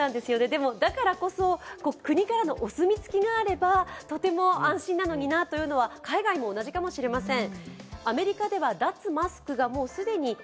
だからこそ国からのお墨付きがあればとても安心なのになというのは海外も同じかもしれません。